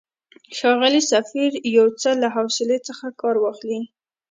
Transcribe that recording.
ښاغلی سفیر، یو څه له حوصلې څخه کار واخلئ.